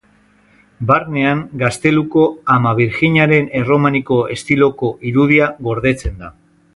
Barnean Gazteluko Ama Birjinaren erromaniko estiloko irudia gordetzen da.